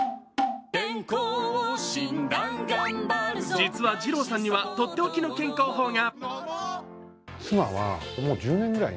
実は二朗さんにはとっておきの健康法が。